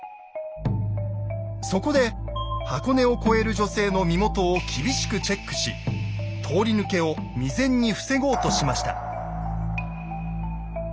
そこで箱根を越える女性の身元を厳しくチェックし通り抜けを未然に防ごうとしました。